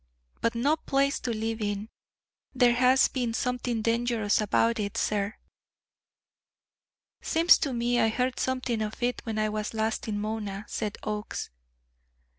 But no place to live in; there has been something dangerous about it, sir." "Seems to me I heard something of it when I was last in Mona," said Oakes.